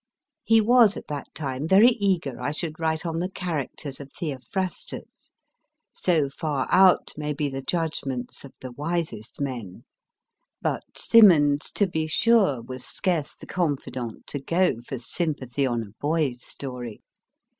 He was at that time very eager I should write on X 306 MY FIRST BOOK the characters of Theophrastus : so far out may be the judgments of the wisest men. But Symonds (to be sure) was scarce the confidant to go for sympathy on a boy s story.